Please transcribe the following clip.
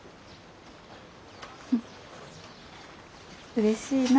うれしいな。